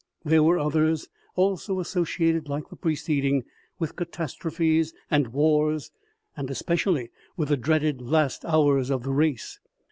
There were others, also, associated like the preceding, with catastrophes and wars, and especially with the dreaded last hours of the race.